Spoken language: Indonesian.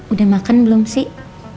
udah makan belum sih